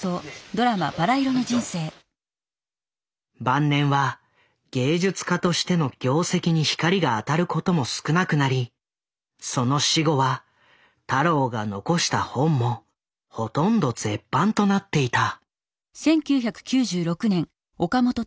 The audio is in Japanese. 晩年は芸術家としての業績に光が当たることも少なくなりその死後は太郎が残した本もほとんど絶版となっていた。